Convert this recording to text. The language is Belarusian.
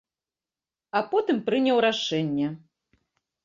А потым прыняў рашэнне.